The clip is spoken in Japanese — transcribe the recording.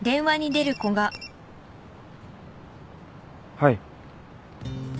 はい。